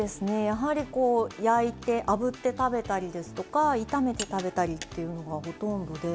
やはりこう焼いてあぶって食べたりですとか炒めて食べたりっていうのがほとんどで。